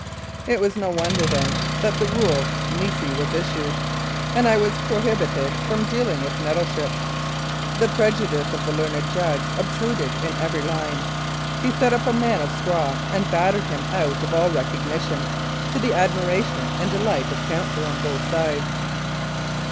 It was no wonder, then, that the rule nisi was issued, and I was prohibited from dealing with Nettleship. The prejudice of the learned judge obtruded in every line. He set up a man of straw and battered him out of all recognition, to the admiration and delight of counsel on both sids.